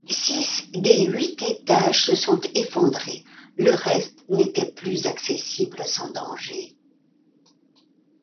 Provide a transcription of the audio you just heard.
Six des huit étages se sont effondrés, le reste n'était plus accessible sans danger.